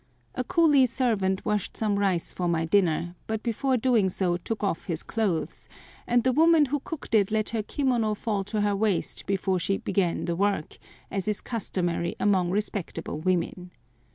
A coolie servant washed some rice for my dinner, but before doing so took off his clothes, and the woman who cooked it let her kimono fall to her waist before she began to work, as is customary among respectable women.